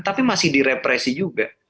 tapi masih direpresi juga